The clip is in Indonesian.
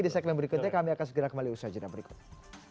di segmen berikutnya kami akan segera kembali di usaha jenam berikutnya